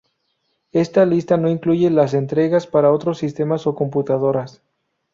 Esta lista no incluye las entregas para otros sistemas o computadoras.